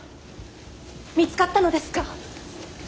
見つかったのですか？